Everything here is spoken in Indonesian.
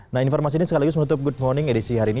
nah informasi ini sekaligus menutup good morning edisi hari ini